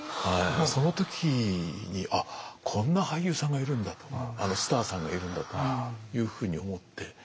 その時にあこんな俳優さんがいるんだとあのスターさんがいるんだというふうに思って。